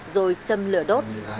rồi châm lửa đốt